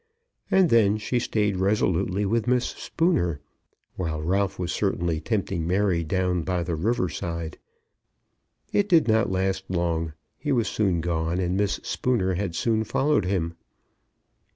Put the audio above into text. And then she stayed resolutely with Miss Spooner, while Ralph was certainly tempting Mary down by the river side. It did not last long. He was soon gone, and Miss Spooner had soon followed him.